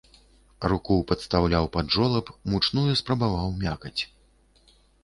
Руку падстаўляў пад жолаб, мучную спрабаваў мякаць.